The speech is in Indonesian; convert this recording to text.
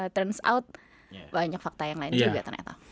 terms out banyak fakta yang lain juga ternyata